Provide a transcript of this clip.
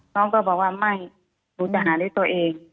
น้องก็บอกว่าไม่หนูจะหาด้วยตัวเอง